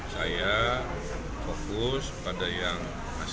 saya susah warsa